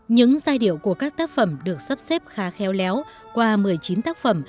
những giai điệu của các tác phẩm được sắp xếp khá khéo léo qua một mươi chín tác phẩm